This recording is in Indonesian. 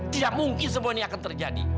tidak mungkin semua ini akan terjadi